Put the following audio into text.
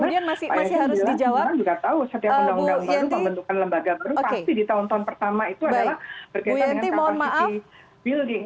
pak ya juga tahu setiap undang undang baru pembentukan lembaga baru pasti di tahun tahun pertama itu adalah berkaitan dengan capacity building